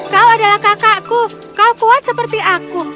kau adalah kakakku kau kuat seperti aku